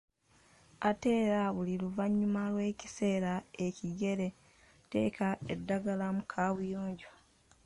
Ate era buli luvanyuma lw‘ekiseera ekigere, teeka eddagala mu kabuyonjo.